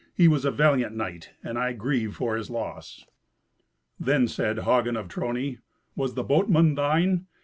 He was a valiant knight, and I grieve for his loss." Then said Hagen of Trony, "Was the boatman thine?